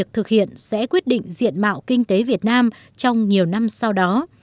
thực hiện sẽ quyết định diện mạo kinh tế việt nam trong nhiều năm sau đó